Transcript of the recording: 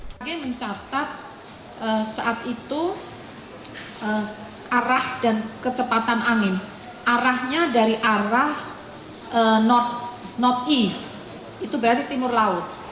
bg mencatat saat itu arah dan kecepatan angin arahnya dari arah not east itu berarti timur laut